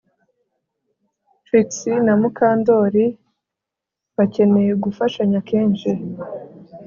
Trix na Mukandoli bakeneye gufashanya kenshi